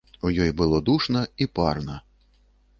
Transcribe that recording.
У ёй было душна і парна.